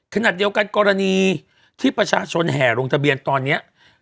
ขณะเดียวกันกรณีที่ประชาชนแห่ลงทะเบียนตอนนี้